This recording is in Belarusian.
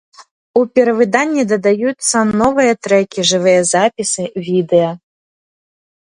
У перавыданні дадаюцца новыя трэкі, жывыя запісы, відэа.